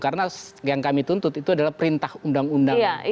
karena yang kami tuntut itu adalah perintah undang undang